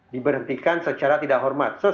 diberhentikan secara tidak hormat